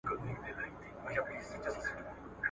د روغتیا پوهاوی د مور په کور کي پیليږي.